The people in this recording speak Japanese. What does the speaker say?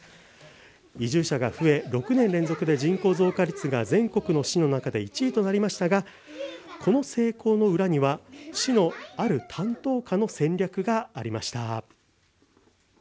移住者が増え、６年連続で人口増加率が全国１位となりましたがこの成功の裏には市のある担当課の戦略がありました。